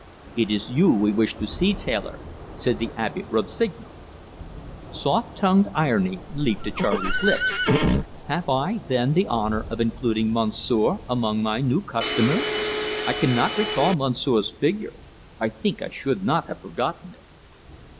"It is you we wish to see, tailor," said the Abbe Rossignol. Soft tongued irony leaped to Charley's lips: "Have I, then, the honour of including Monsieur among my customers? I cannot recall Monsieur's figure. I think I should not have forgotten it."